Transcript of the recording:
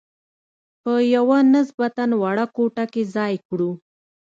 په یوه نسبتاً وړه کوټه کې ځای کړو.